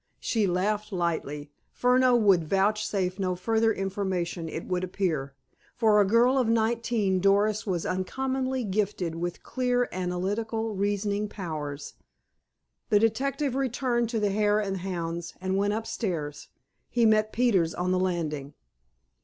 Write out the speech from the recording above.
She laughed lightly. Furneaux would vouchsafe no further information, it would appear. For a girl of nineteen, Doris was uncommonly gifted with clear, analytical reasoning powers. The detective returned to the Hare and Hounds, and went upstairs. He met Peters on the landing.